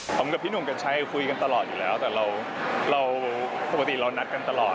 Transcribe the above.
ครั้งใดไหนคนใจต้องการจริงเอล